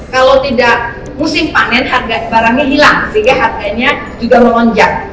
kalau tidak musim panen harga barangnya hilang sehingga harganya juga melonjak